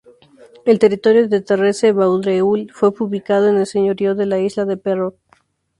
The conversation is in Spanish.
El territorio de Terrasse-Vaudreuil fue ubicado en el señorío de la Isla Perrot.